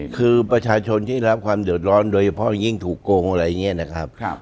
คือประชาชนที่รับความเดือดร้อนโดยเฉพาะอย่างยิ่งถูกโกงอะไรอย่างนี้นะครับ